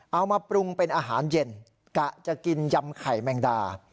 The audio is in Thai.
เอามาปรุงเป็นอาหารเย็นกะจะกินยำไข่แมงดา